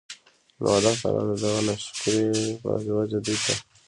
نو الله تعالی د دغه ناشکرۍ په وجه دوی ته